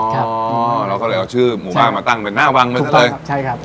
อ๋อครับอ๋อแล้วก็เลยเอาชื่อหมู่บ้านมาตั้งเป็นหน้าวังเหมือนนั้นเลยถูกต้องครับใช่ครับ